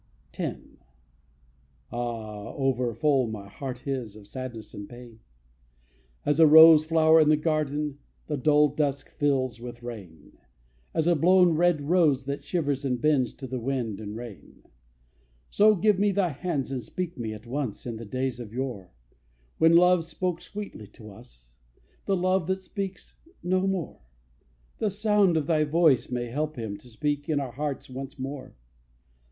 X. Ah! over full my heart is Of sadness and of pain; As a rose flower in the garden The dull dusk fills with rain; As a blown red rose that shivers And bends to the wind and rain. So give me thy hands and speak me As once in the days of yore, When love spoke sweetly to us, The love that speaks no more; The sound of thy voice may help him To speak in our hearts once more.